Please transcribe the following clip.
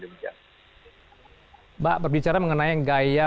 mbak berbicara mengenai gaya